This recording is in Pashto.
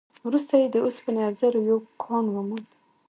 وروسته يې د اوسپنې او زرو يو کان وموند.